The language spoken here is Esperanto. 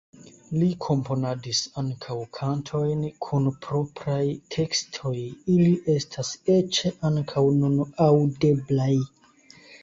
Li komponadis ankaŭ kantojn kun propraj tekstoj, ili estas eĉ ankaŭ nun aŭdeblaj.